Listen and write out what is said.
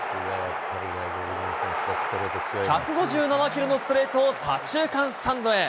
１５７キロのストレートを左中間スタンドへ。